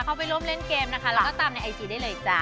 เขาไปร่วมเล่นเกมนะคะแล้วก็ตามในไอจีได้เลยจ้า